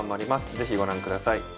是非ご覧ください。